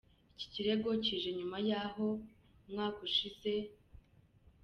Iki kirego kije nyuma y’aho mu mwaka ushize R.